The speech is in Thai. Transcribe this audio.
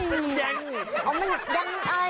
มันแย่ง